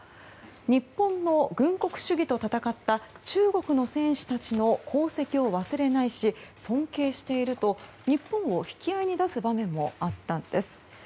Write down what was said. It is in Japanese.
日本の軍国主義と戦った中国の戦士たちの功績を忘れないし尊敬していると日本を引き合いに出す場面もあったんです。